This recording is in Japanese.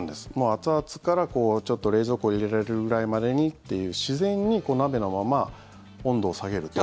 熱々から冷蔵庫に入れられるぐらいまでにっていう自然に鍋のまま温度を下げると。